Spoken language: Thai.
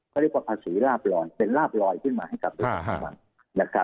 เขาเรียกว่าภาษีราบรอยเป็นราบรอยขึ้นมาให้กับบริษัทน้ำมัน